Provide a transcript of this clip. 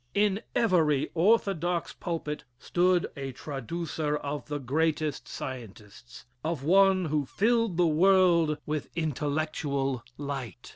In every orthodox pulpit stood a traducer of the greatest of scientists of one who filled the world with intellectual light.